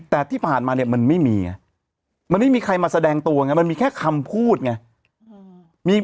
แต่ที่ผ่านมาเนี่ยมันไม่มีไงมันไม่มีใครมาแสดงตัวไงมันมีแค่คำพูดไง